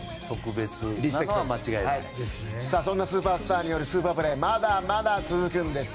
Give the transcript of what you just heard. そんなスーパースターによるスーパープレーはまだまだ続くんです。